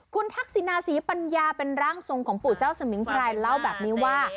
คุณทักษินาศรีปัญญาเป็นร่างทรงของปู่เจ้าสมิงพรายเล่าแบบนี้ว่า